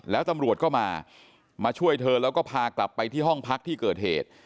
แล้วตำรวจก็มามาช่วยเธอแล้วก็พากลับไปที่ห้องพักที่เกิดเหตุ